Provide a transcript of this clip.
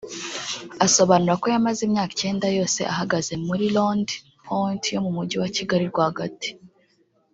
Asobanura ko yamaze imyaka icyenda yose ahagaze muri Rond Point yo mu Mujyi wa Kigali rwagati